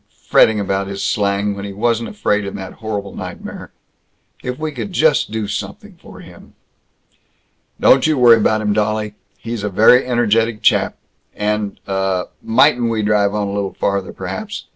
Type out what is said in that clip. Fretting about his slang, when he wasn't afraid in that horrible nightmare. If we could just do something for him!" "Don't you worry about him, dolly. He's a very energetic chap. And Uh Mightn't we drive on a little farther, perhaps?